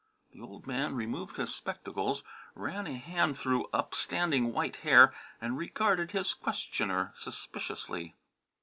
The old man removed his spectacles, ran a hand through upstanding white hair, and regarded his questioner suspiciously.